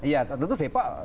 iya tentu depok